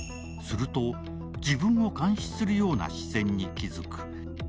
すると、自分を監視するような視線に気づく。